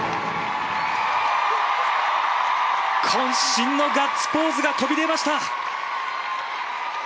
渾身のガッツポーズが飛び出ました。